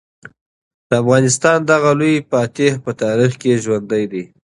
د افغانستان دغه لوی فاتح په تاریخ کې ژوندی دی.